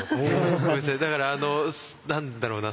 ごめんなさいだから何だろうな